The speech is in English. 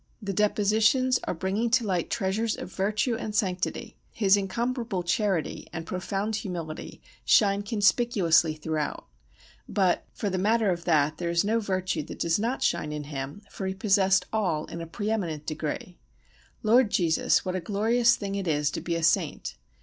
The Depositions are bringing to light treasures of virtue and sanctity: His incomparable charity and profound humility shine conspicuously throughout; but, for the matter of that, there is no virtue that does not shine in him, for he possessed all in a pre eminent degree. Lord Jesus, what a glorious thing it is to be a saint!